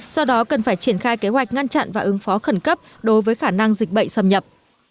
do đó cần phải triển khai kế hoạch ngăn chặn và ứng phó khẩn cấp đối với khả năng dịch bệnh xâm nhập